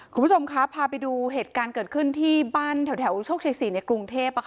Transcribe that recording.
คุณผู้ชมคะพาไปดูเหตุการณ์เกิดขึ้นที่บ้านแถวโชคชัย๔ในกรุงเทพ